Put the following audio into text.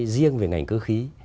riêng về ngành cơ khí